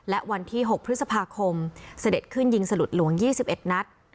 และวันที่๖พฤษภาคมเสด็จขึ้นยิงสลุดหลวง๒๑นัด